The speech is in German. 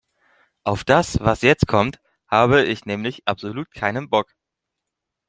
Auf das, was jetzt kommt, habe ich nämlich absolut keinen Bock.